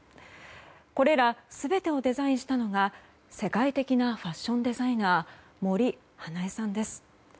これら全てをデザインしたのが世界的なファッションデザイナー森英恵さんです。